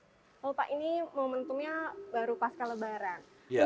oh pak ini momentumnya baru pasca lebaran